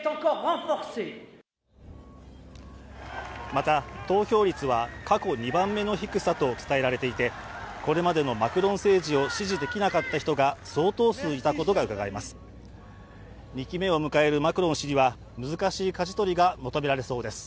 また、投票率は過去２番目の引くさと伝えられていてこれまでのマクロン政治を支持できなかった人が相当数いたことがうかがえます。